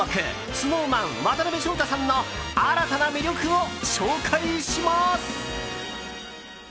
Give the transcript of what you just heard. ＳｎｏｗＭａｎ渡辺翔太さんの新たな魅力を紹介します。